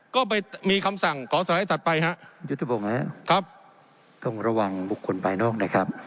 ก็ไปมีคำสั่งขอสไลด์ถัดไปฮะยุทธพงศ์นะครับต้องระวังบุคคลภายนอกนะครับ